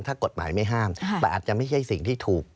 ถ้ากฎหมายไม่ห้ามแต่อาจจะไม่ใช่สิ่งที่ถูก